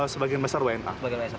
sebagian besar wna